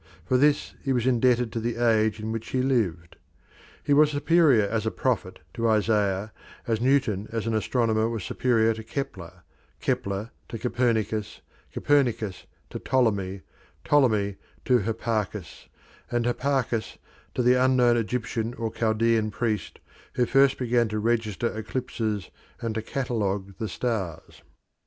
For this he was indebted to the age in which he lived. He was superior as a prophet to Isaiah, as Newton as an astronomer was superior to Kepler, Kepler to Copernicus, Copernicus to Ptolemy, Ptolemy to Hipparchus, and Hipparchus to the unknown Egyptian or Chaldean priest who first began to register eclipses and to catalogue the stars.